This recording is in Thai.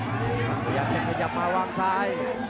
พยายามจะขยับมาวางซ้าย